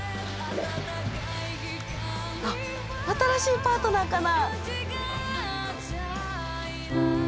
あっ新しいパートナーかな？